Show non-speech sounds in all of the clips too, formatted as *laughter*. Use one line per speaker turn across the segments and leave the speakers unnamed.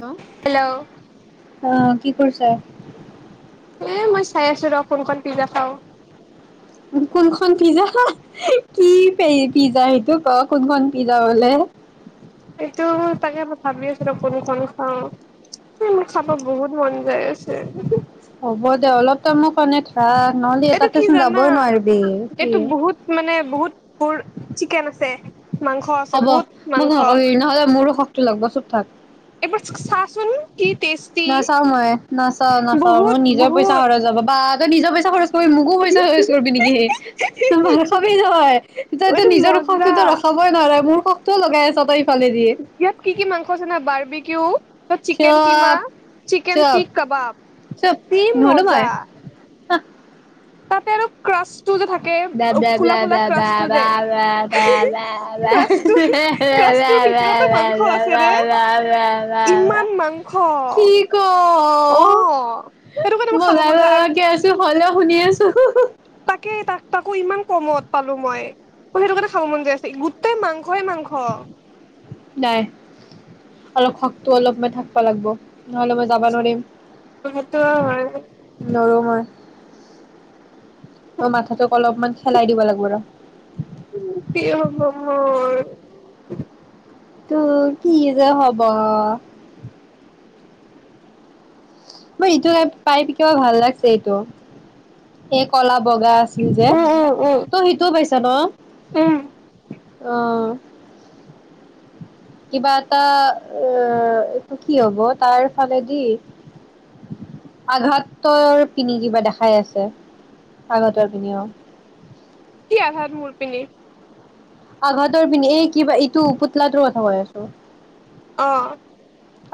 Hello, অ' কি কৰিছা?
এ মই চাই আছোঁ ৰ' কোন খন পিজ্জা খাওঁ।
কোনখন পিজ্জা, কি পিজ্জা সেইটো ক' কোনখন পিজ্জা বোলে।
এইটো তাকে মই ভাবি আছিলো, কোনখন খাওঁ, মোৰ খাব বহুত মন যাই আছে।
হ'ব দে, অলপ তই মোক *unintelligible* নহ'লে
এইটো
এটাতে
কি
চোন
জানা
যাবই নোৱাৰিবি, কি?
এইটো বহুত মানে বহুত বোৰ চিকেন আছে। মাংস আছে
হ'ব
বহুত
মোক
মাংস।
নক'বি নহলে মোৰো খ টো লাগব চুপ থাক।
এইবোৰ চচ চাচোন কি টেষ্টি
নাচাওঁ মই নাচাওঁ নাচাওঁ মোৰ
বহুত
নিজৰ পইচা
বহুত।
খৰচ হব বা তই নিজৰ পইচা খৰচ তই মোকো পইচা খৰচ কৰিবি নেকি হে, মাৰ খাবি তই
এইটো
নিজৰ
মজা
খকটোতো ৰখাবই নোৱাৰা মোৰ খক কিয় লগাই আছ তই এই
ইয়াত কি কি মাংস আছে না বাৰ্বিকিউ চিকেন কিমা,
চুপ
চিকেন
চুপ
চিখ কাবাব কি মজ্জা।
অঁ
তাতে আৰু ক্ৰছ
াব
যে ক্ৰাছটোৰ ক্ৰাছটোৰ ভিতৰতো মাংস আছে ৰে ইমান মাংস
কি ক
অ সেইটো কাৰণে মোৰ
মই
খাব
গাল
মন যায় আৰু
লগাকে আছো হলেও শুনি আছো *unintelligible*
তাকেই তাক তাকো ইমান কমত পালো মই সেইটো কাৰণে খাব মন যায় আছে গোটেই মাংসই মাংস।
নাই, অলপ খকটো অলপমান থাকব লাগব নহ'লে মই যাব নোৱাৰিম।
সেইটোও হয়।
অ' মাথাটোক অলপমান খেলাই দিব লাগিব ৰ
উ'
তোৰ কি যে হ'ব। মই ইটো এপ পাই কিবা ভাল লাগছে এইটো এই কলাব বগা আছিল যে
উম উম উম
ত' সেইটোও পাইছো। চাব
উম
অ' কিবা এটা এ এইটো কি হ'ব তাৰ ফালেদি আঘাতৰ পিনি কিবা দেখাই আছে আঘাতৰ পিনিও
কি আঘাত মোৰপিনি
আঘাতৰ পিনে এই কিবা এইটো পুতলাটোৰ কথা কৈ আছোঁ।
অ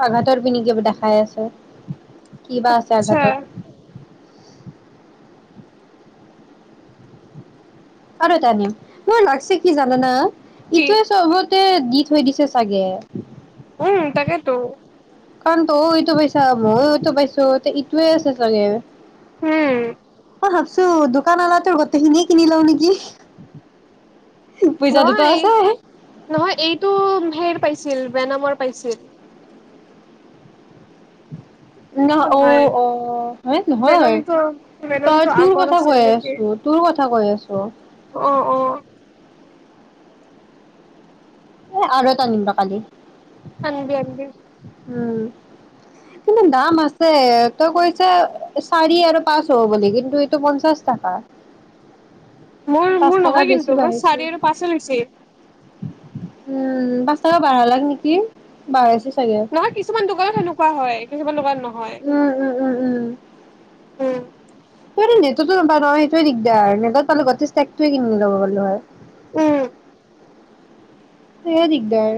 আঘাতৰ পিনি কিবা দেখাই আছে। কি বা আছে
আচ্ছা
আঘাতত। আৰু এটা দি, মোৰ লাগছে কি জানানা?
কি
ইটোয়ে চবত আহ দি থৈ দিছে *unintelligible*
উম তাকেইেতো
কাৰণ তই সটো পাইছা মইয় সটো পাইছো ইটোৱে আছে চাগে
উম
মই ভাবছো দোকান অলাো গোটেইখিনিয়ে কিনি লও নেকি পইচা দুটা
নহয়
আছে
নহয় এইটো হেৰ পাইছিল বেনামৰ পাইছিল
না অ
হয়।
অ হেইয় নহয়
বেনমটো বেনমটো
তাৰ তোৰ
আগৰ
কথা
আছিল
কৈ
নেকি?
আছো তোৰ কথা *unintelligible* *unintelligible* কৈ আছো
অ অ
এ আৰু এটা আনিম ৰ কালি
আনবি - আনবি
উম, কিন্তু দাম আছে, তই কৈছা চাৰি আৰু পাঁচ হ'ব বুলি কিন্তু এইটো পঞ্চাশ টকা পাঁচ
মোৰ-মোৰ
টকা
নহয়
বেছি
কিন্তু মোৰ
বাঢ়িছে
চাৰি আৰু পাঁচ লৈছ
উম পাঁচ টকা *unintelligible* লাখ নেকি বা
নহয় কিছুমান দোকানত সেনেকুৱা হয়। কিছমান লগা *unintelligible* ন *unintelligible* হয়
উম উম উম
উম
ত *unintelligible* নেটতে নাপা নহয় সেইটোৱে দিগদাৰ নেটত পালে গোটে *unintelligible* কিনি ল'ব পাল্লো হয়।
উম
সেয়া দিগদাৰ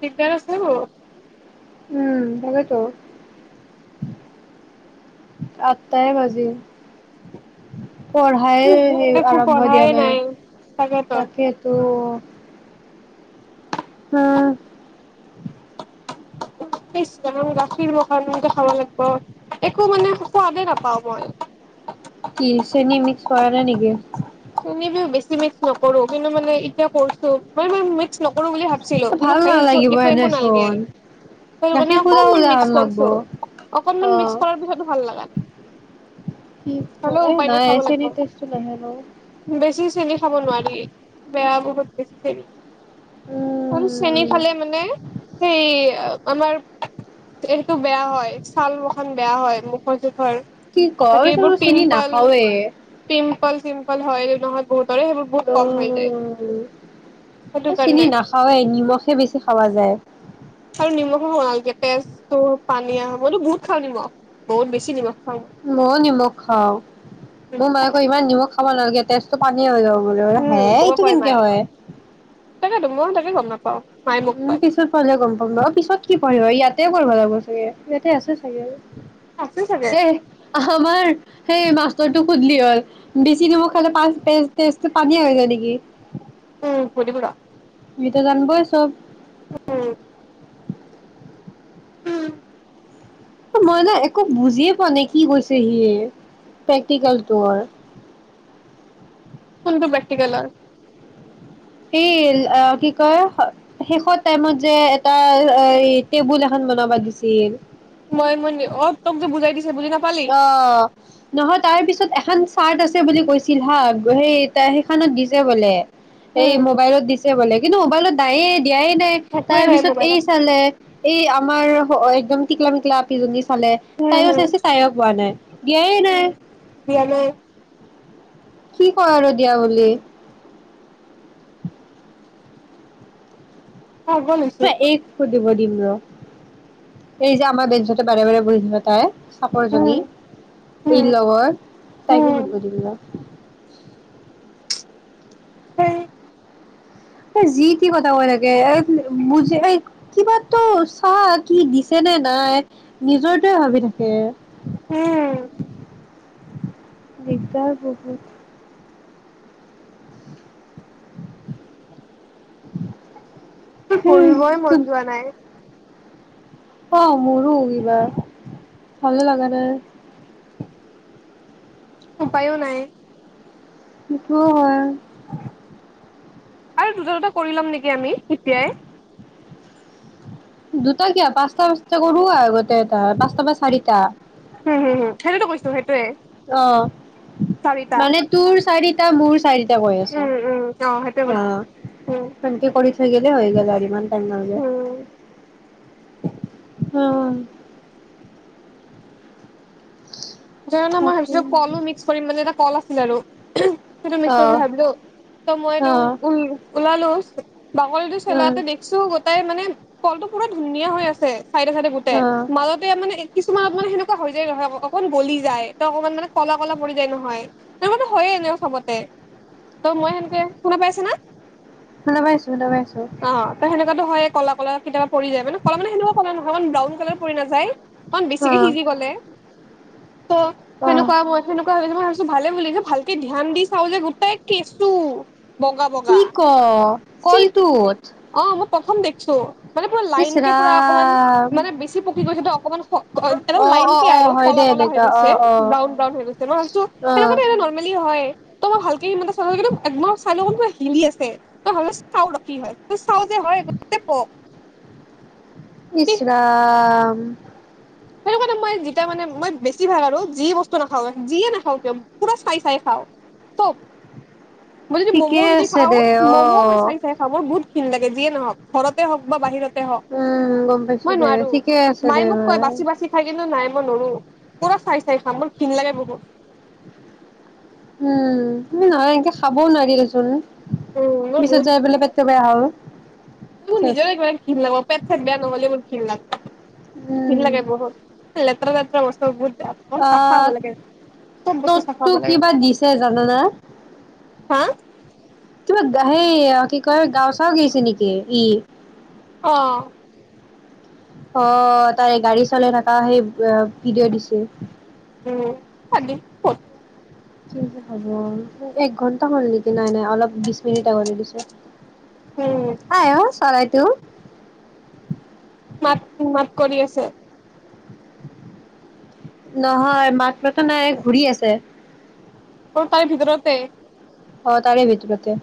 বিদ্যা
উম তাকেইতো, আঠটাই বাজি পঢ়াই সেই
একো
আৰম্ভ দিয়া
পঢ়াই
নাই,
তাকেতো।
তাকেইতো উম
ইছ ৰাম গাখীৰ ম কাৰণ *unintelligible* খাব লাগিব, একো মানে সোৱাদেই নাপাওঁ মই।
কি চেনি মিক্স কৰা নাই নেকি?
চেনী *unintelligible* নকৰো কিন্তু মানে এতিয়া কৰছো ম *unintelligible* নকৰো বুলি ভাবছিলো, কিন্তু
ভাল
ফাইনেন্সত
নালাগিব
একো-একো নালাগে
এনেচোন।
*unintelligible* অকণ
গাখীৰ সুধা
মাণ
সুধা
মিক্স
হেন লাগব।
কৰিছোঁ, অকমান
অ'
মিক্স কৰাৰ পিছতো ভাল লগা নাই,
কি
হলেও
এ
উপায়
নাই
খাব লাগিব,
চেনি টেষ্টটো নাহে ন।
বেছি চেনি খাব নোৱাৰি *unintelligible* বেছি চেনি আৰু চ্ৰেণী
উম
ফালে মানে সেই আমাৰ, এইটো বেয়া হয়, ছাল বখান বেয়া হয় মুখৰ য
কি ক চিনি নাখাওৱে
পিম্পল-চিম্পল হয় নহয় বহুত সেইবোৰ কম হৈ যায় সেইটো
উ' চিনি
কাৰণে
নাখাৱেই নিমখে বেছি খাৱা যায়
আৰু নিমখো *unintelligible* তেজটো পানীয়া হব মইতো বহুত খাওঁ নিমখ বহুত বেছি নিমখ খাওঁ
মই নিমখ খাওঁ, মোৰ মায়েকৰ ইমান নিমখ খা খাব নালাগে তেজটো পানীয়া হৈ যাব বোলে। হে
উম মোকো
এইটো
কয়
কেনেকে
মাই,
হয়?
তাকেতো মই তাকে গম নাপ অ
উম পিছত পঢ়িলে গম পাম ন পিছত কি পঢ়িবা ইয়াত তোয়ে কৰিব লাগিব চাগে, ইয়াতে আছে। থাকে
আছে চাগে
এ আমাৰ সেই মাষ্টৰটো সুধলি হ'ল, বেছি নিমখ খালে পাছত তেজটো পানীয়া হৈ যায় নেকি।
উম, সুধিম ৰ'।
সিতো জানিবই চব।
উম। উম।
মই না একো বুজিয়ে পোৱা নাই কি কৈছে সি প্ৰেক্টিকেলটোৰ।
কোনটো প্ৰেক্টিকেলৰ?
এই কি কয় শেষত টাইমত যে এটা অ', টেবুল এখন বনাবা দিছিল।
ত'কযে বুজাই দিছ
অ', নহয় তাৰ পিছত এখান চাৰ্ট আছে বুলি কৈছিল হা সেই তা সেইখনত দিছে বোলে। এই
উম
মোবাইলত দিছে বোলে কিন্তু লত নায়ে দিয়াই নাই তাৰ
একোৱে নাই
পিছত এই
মোবাইলত
চালে এই আমাৰ একদম টিকলা মিকলা আপিজনী চালে
উম
তাইয়ো
হম
চাইছি তায়ো পোৱা নাই, দিয়াই নাই।
উম দিয়া নাই
সি কয় আৰু দিয়া বুলি।
পাগল হৈছে।
দিব দিম ৰ' এই যে আমাৰ বেঞ্চতে বাৰে-বাৰে বহিছিলে তাই। চাপৰজনী
উম
এই
উম
লগৰ, তাইকে
উম
সুধিব দিম ৰ'।
হেই।
এই যি-তি কথা কৈ থাকে। *unintelligible* বুজি এই কিবাটো চা কি দিছে নে নাই নিজৰটোয়ে ভাবি থাকে।
উম।
দিগদাৰ বহুত।
মোৰ পঢ়িবই
বহুত
মন যোৱা নাই।
অ', মোৰো কিবা ভালে লাগা নাই।
উপায়ো নাই।
হেটোও হয়।
আৰু দুটা-দুটা কৰি ল'ম নেকি আমি এতিয়াই।
দুটা কিয়? পাঁচটা-পাঁচটা কৰোঁ আগত। *unintelligible* পাঁচটা বা চাৰিটা।
হম হম হম সেইটোতো কৈছো সেইটোয়ে
অ',
চাৰিটা
মানে তোৰ চাৰি টা, মোৰ চাৰিটা। এয়া গৈ আছো
উম উম অ সেইটোয়ে
আহ
কৈছো উম
ভে্তি কৰি থৈ গিলে হৈ গ আৰু ইমান টাইম নালাগে
উম
অ
ধ মই ভাবিছো কলো মিক্স কৰিম মানে এ কল আছিল আৰু সেইটো
অ
মিছ
তাকে
বুলি ভাবিলো ত
অ
মইতটো
অ
ওলালো হয় বাকলিটো
অ
চেলাতে দেখিছো গোটাই মানে কলটো পুৰা ধুনীয়া হৈ আছে চাইডে চাইডে গোটেই
অ
মাজতে মানে কিছুমান হেনেকুৱা হৈ যায় নহয় অক পলি যায় ত অকমান মানে কলা কলা ম যায় নহয় ত মানে হয়য়ে এনে চবতে তই মই সেনেকে শুনা পাইছ না
শুনা পাইছো শুনা পাইছো
হেটো হয় কলা কলা কেতিয়াবা পৰি যায় মানে কলা মানে সেনেকুৱা কলা নহয়মান ব্ৰাউন কালাৰ পৰি নাযায় অকমান
অ
বেছিকে সিজি গলে ত
অ
সেনেকুৱা মই সেনেকুৱা হয় তো ভালে বুলি যে ভালকে ধ্যান দি চাও যে গোটাই কেঁচু বগা
কি
বগা
ক
চি
কলটোত
অ মই প্ৰথম দেখিছো মানে পুৰা
ইচ
লাইন কে পুৰা অকমান
ৰাম
মানে বেছি পকি গৈছে অকমান এ
অ
লাইন
অ
কে
অ
আৰু
হয় দে
কলা কলা হৈ
এনেকা অ
গৈছে
অ
ব্ৰাউন ব্ৰাউন হৈ গৈছে মই ভাবছো
অ
সেনেকুৱা এ নৰ্মেলি হয় ত মই ভালেকে মানে একম চাই ল ম হিলি আছে হাল চাও ৰক কি হয় চাও যে হয় গতে প
ইচৰাম উম
সেই কাৰণে মই যেতিয়া মানে মই বেছি ভাগ আৰু যিয়ে বস্তু নাখাওঁ যিয়ে নাখাওঁ কিয় পুৰা চাই চাই খাওঁ চব মই যদি ম'ম
ঠিকে
যদি
আছে
খাও
দে অ
ম'মও মই চাই চাই খাওঁ মই বহুত কিন লাগে যিয়ে নহওক ঘৰতে হওক বা বাহিৰত
উম গম পায়ছু দেহ ঠিকে
মায়ে
দে
মোক ক
ভাই
বাচি বাচি খাই নাই মই নৰো পুৰা চাই চাই খাম বোৰ ভিন লাগে বহুত *inaudible*
উম নহ এনেকে খাবও নোৱাৰিলচোন
উ মই বহুত ভ পাওঁ
হ'ল
মোৰ
চেচ
নিজৰ একাৰেণ লাগে পেট চেট বেয়া নহলে মোৰ
উম
ঘিন লাগে বহুত লেতেৰা সমস বহুত *unintelligible* চাফা হ'ব
অ'
লাগে চব বস্তু চাফা
তটটো
হ'ব লাগে
কিবা দিছে জানানা।
হা
কিবা কি কয় গাঁও চাও গেছি নেকি? *unintelligible*
অ'।
অ' তাৰে গাড়ী চলাই থাকা সেই ভিডিঅ' দিছে।
উম *unintelligible*
কি হ'ব এক ঘন্টা হ'ল নেকি নাই নাই অলপ বিশ মিনিট আগটে দিছো।
উম
অ', *unintelligible* *unintelligible*
*unintelligible* কৰি আছে।
নহয় মাত মাতা নাই ঘূৰি আছে।
ও তাৰ ভিতৰতে।
অ তাৰে ভিতৰতে।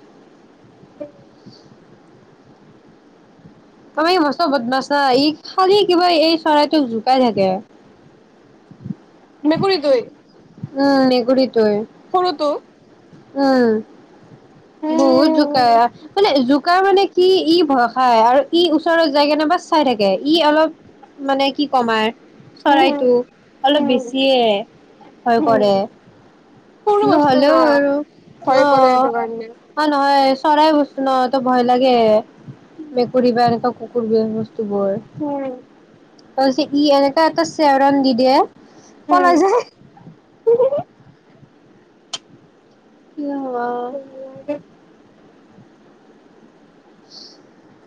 আমাৰ ই মছতো বদমাছ না ই খালি কিবা এই চৰাইটোক জোকাই থাকে।
মেকুৰিতোই।
উম মেকুৰি
কৰোটো।
উম। বহুত জোকাৰ
উম
মানে জ কুকাৰ মানে কি ই ভয় খায় আৰু ই ওচৰত যায় কেনে বা চাই থাকে ই অলপ মানে কি কমাৰ
উম
চৰাইটো অলপ
উম
বেছিয়ে ভয়
উম
কৰে
সৰু বস্তু না
নহ'লেও আৰু
ভয়
অ
কৰে সেইটো কাৰণে
অ নহয় চৰাই বস্তু ন তো ভয় লাগে মেকুৰী বা এনেকুৱা কুকুৰ বি বস্তু অক্টোবৰ।
উম
তাৰপিছত ই এনেকা এটা চেৰণ দি দিয়ে পলাই যে।
উম *unintelligible*
*unintelligible*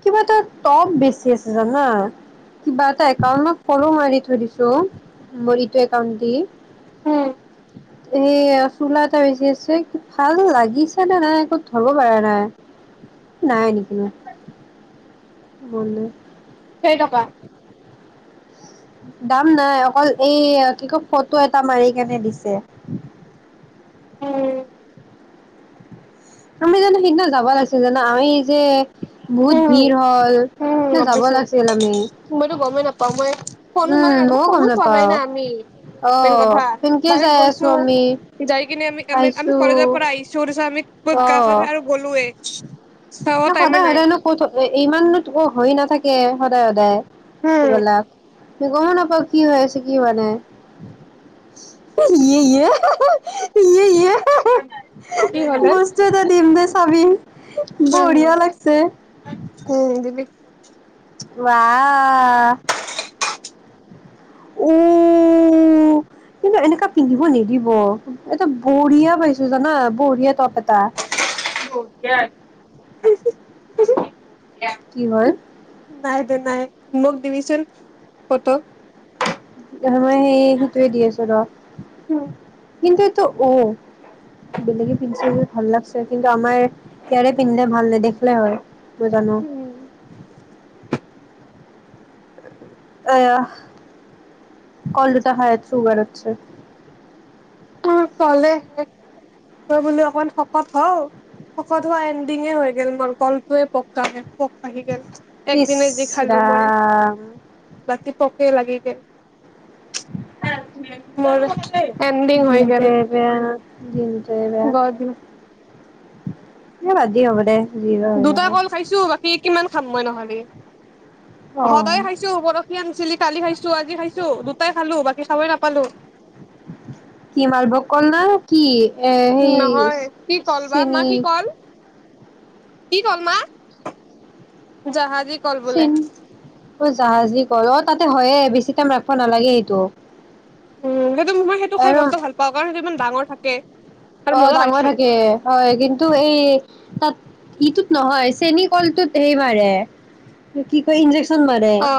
কিবা এটা টপ বেছি আছে জানা কিবা এটা একাউন্ ফলো মাৰি থৈ দিছো মোৰ ইটো একান্ট দি।
উম।
এই আ চোলা এটা বেছি আছে ভাল লাগিছে নে নাই একো ধৰব পাৰা নাই নাই নিকিনো। *unintelligible*
কেই তকা?
দাম নাই অকল এই কি কয় ফটো এটা মাৰি কেনে দিছে।
উম
আমি জানো সেইদিনা যাবা লাগছিল জানা আমি যে বহুত
উ
ভিৰ হ'ল
হম
ন যাব
ভাবিছো
লাগিছিল আমি
মইতো গমেই নাপাও মই ফোনো মানে
উম ময়ো
ফোনো
গম
চোৱা নাই
নাপাও
না আমি
অ
মেইন কথা
সেনকে
ডাইৰে্ট
যাই আছো
গৈছো
আমি
যাই কিনে আমি আমি আমি
আহিছো
কলেজৰ পৰা আহিছো তাৰ পিচত আমি তাৰ
অ
পিচত গা চা ধুুই আৰু
ন
গ'লোৱেই
সদায় সদায়নো ক ইমান হৈ নাথাকে সদায় সদায়
উম
তিবালা তু কম নাপাও কি হৈ আছে কি বোৱা নাই ইে ইয়ে
কি হলে
বস্তু দিম দে চাব
উম
বঢ়িয়া লাগছে
উম *inaudible*
উ কিন্তু এনেককা পিন্ধিব নিদিব এটা বঢ়িয়া পাইছো জানা বঢ়িয়া টপ এটা
হধিয় একদম
কি হয়
নাই দে নাই মোক ডভিচন পতক
মই সেই সেইটোৱে দি আছো ৰ কিন্তু এইটো উ বেলেগে পিন্ধছে যদি ভাল লাগছে কিন্তু আমাৰ ইয়াৰে পিন্ধিলে ভাল ন দেখিলে হয় নই জানো
উম
আহয়া কললটা হায়াত চুগাৰ আছে
কলে শেষ মই বোলো অকণ শকত হও শকত হোৱা এণ্ডিঙে হৈ গল মোৰ কলটয়ে পকে আহি গ
ইচ
একদিনে যি খালো মই
ৰাম
ৰাতি পকে লাগি গ ম
গিন্দ প ন গিন্দ প
গদ
ক আাজি হব দে যি হয় হৈ
দুটা
থাকক
কল খাইছো বাকী কিমান থাম ম নহলে সদায়ে
অ
খাইছো বৰশী ছিলি কালি খাইছো আজি খাইছো দুটাই খালো বাকি খাবই নাপালো
কি মালভোগ কল না কি এ সেই
নহয় কি কল বা
চেিন
মা কি কল কি কল মা, জাহাজী কল বোলে
জাহাজি কলত, তাতে হয়ে বেছি টাইম ৰাখিব নালাগে এইটো।
উম, সেইটো মই সেইটো খাই মস্ত ভাল পাওঁ, কাৰণ সটো ইমান ডাঙৰ থাকে দে
অহ ডাঙৰ থাকে হয় কিন্তু এই তাত এইটোত নহয়, চেনী কলটোত সেইবাৰে কি কয় ইনজেকচন চোন মাৰে
অ